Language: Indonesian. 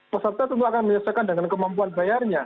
peserta tentu akan menyelesaikan dengan kemampuan bayarnya